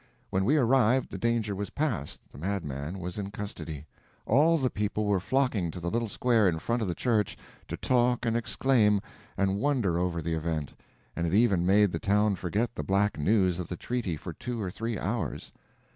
When we arrived the danger was past, the madman was in custody. All the people were flocking to the little square in front of the church to talk and exclaim and wonder over the event, and it even made the town forget the black news of the treaty for two or three hours.